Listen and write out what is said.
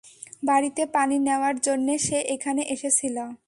বাড়িতে পানি নেয়ার জন্যে সে এখানে এসেছিল।